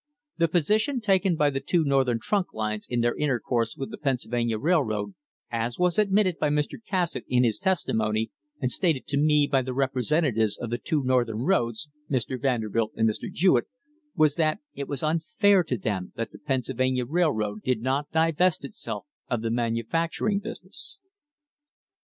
The position taken by the two Northern trunk lines in their intercourse with the Pennsylvania Railroad, as was admitted by Mr. Cassatt in his testimony, and stated to me by the representatives of the two Northern roads, Mr. Vanderbilt and Mr. Jewett, was that it was unfair to them that the Pennsylvania Railroad did not divest itself of the manufacturing business.